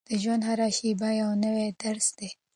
د ژوند هره شېبه یو نوی درس دی.